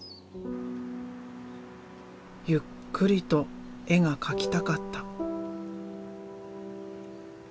ゆっくりと絵が描きたかった。